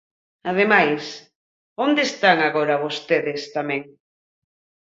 Ademais, ¿onde están agora vostedes tamén?